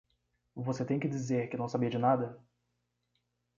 Você tem que dizer que não sabia de nada?